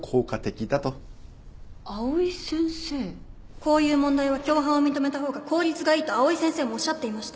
こういう問題は共犯を認めた方が効率がいいと藍井先生もおっしゃっていました